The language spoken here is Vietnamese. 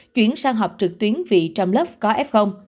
chuyển sang học trực tuyến vị trong lớp có f